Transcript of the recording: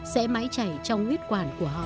sẽ mãi chảy trong huyết quản của họ